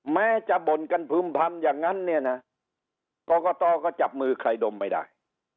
แม้จะบ่นกันพึ่มพำอย่างนั้นเนี่ยนะกรกตก็จับมือใครดมไม่ได้